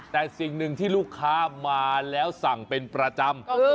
แต่สิ่งหนึ่งที่ลูกค้ามาแล้วสั่งเป็นประจำ